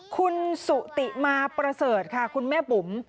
คุณสุติมาประเสริฐค่ะคุณแม่บุ๋ม